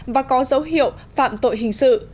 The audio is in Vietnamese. và có dấu hiệu phạm tội hình sự